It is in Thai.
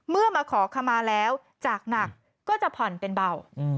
มาขอขมาแล้วจากหนักก็จะผ่อนเป็นเบา